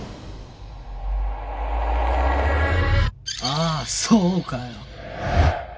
ああそうかよ